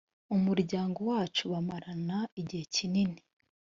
umuryango wacu bamarana igihe kinini